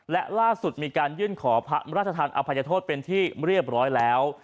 และล่าสุดมีการยื่นขอพระราชทานอภัยโทษเป็นที่เรียบร้อยแล้ว